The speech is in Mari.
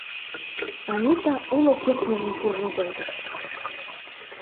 Анита уло кертмыжын куржын колтыш.